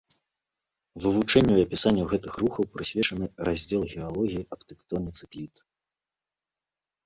Вывучэнню і апісанню гэтых рухаў прысвечаны раздзел геалогіі аб тэктоніцы пліт.